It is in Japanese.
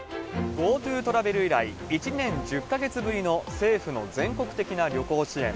ＧｏＴｏトラベル以来１年１０か月ぶりの政府の全国的な旅行支援。